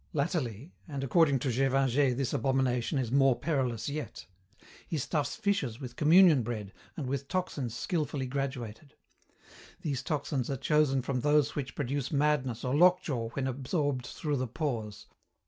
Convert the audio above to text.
"Latterly, and according to Gévingey this abomination is more perilous yet, he stuffs fishes with communion bread and with toxins skilfully graduated. These toxins are chosen from those which produce madness or lockjaw when absorbed through the pores.